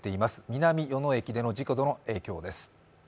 南与野駅での事故の影響です。